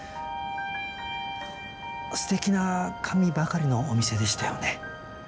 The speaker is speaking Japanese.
すてきな紙ばかりのお店でしたよね。